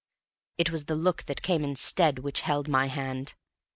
It was the look that came instead which held my hand.